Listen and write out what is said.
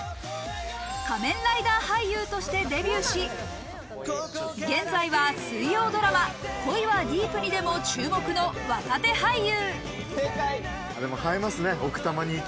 仮面ライダー俳優としてデビューし、現在は水曜ドラマ『恋はＤｅｅｐに』でも注目の若手俳優。